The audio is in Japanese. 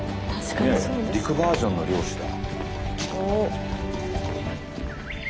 陸バージョンの漁師だ。